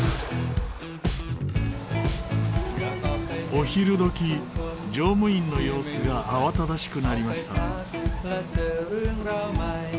お昼どき乗務員の様子が慌ただしくなりました。